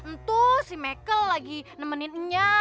ntuh si makel lagi nemenin nya